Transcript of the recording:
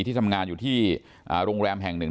ที่ทำงานอยู่ที่โรงแรมแห่งหนึ่ง